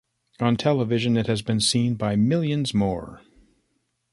On television it has been seen by millions more.